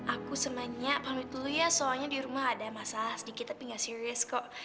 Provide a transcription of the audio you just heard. aku senangnya kalau dulu ya soalnya di rumah ada masalah sedikit tapi nggak serius kok